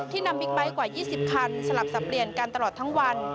นำบิ๊กไบท์กว่า๒๐คันสลับสับเปลี่ยนกันตลอดทั้งวัน